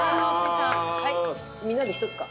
みんなで１つか。